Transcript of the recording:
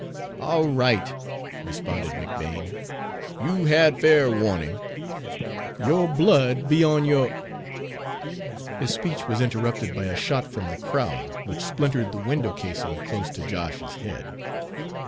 "All right," responded McBane. "You've had fair warning. Your blood be on your" His speech was interrupted by a shot from the crowd, which splintered the window casing close to Josh's head.